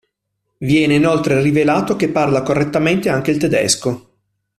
Viene inoltre rivelato che parla correttamente anche il tedesco.